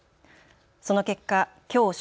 その結果、きょう正